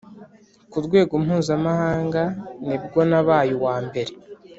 ku rwego mpuzamahanga nibwo nabaye uwa mbere.